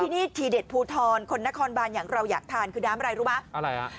ที่นี่ทีเด็ดภูทรคนนครบานอย่างเราอยากทานคือน้ำอะไรรู้ไหมอะไรฮะ